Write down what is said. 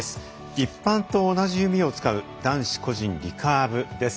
一般と同じ弓を使う男子個人リカーブです。